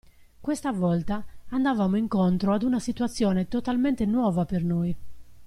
Questa volta andavamo incontro ad una situazione totalmente nuova per noi.